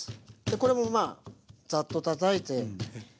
これもまあざっとたたいて。